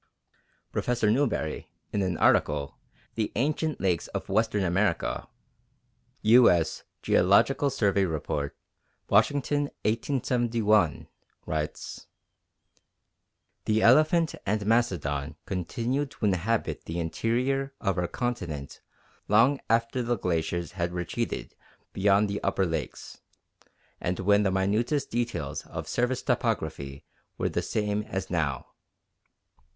Professor Newberry, in an article "The Ancient Lakes of Western America" (U.S. Geological Survey Report, Washington, 1871), writes: "The elephant and mastodon continued to inhabit the interior of our continent long after the glaciers had retreated beyond the upper lakes, and when the minutest details of surface topography were the same as now....